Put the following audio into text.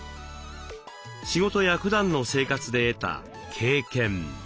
仕事やふだんの生活で得た「経験」。